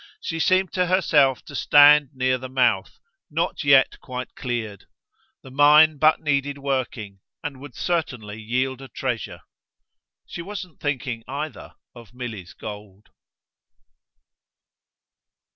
She seemed to herself to stand near the mouth, not yet quite cleared. The mine but needed working and would certainly yield a treasure. She wasn't thinking, either, of Milly's gold.